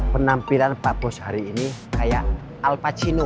penampilan pak pos hari ini kayak al pacino